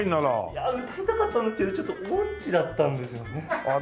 いやあ歌いたかったんですけどちょっと音痴だったんですよね。